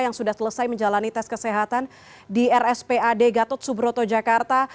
yang sudah selesai menjalani tes kesehatan di rspad gatot subroto jakarta